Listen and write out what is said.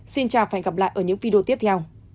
xin chào và hẹn gặp lại ở những video tiếp theo